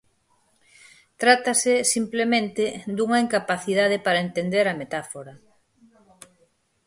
Trátase, simplemente, dunha incapacidade para entender a metáfora.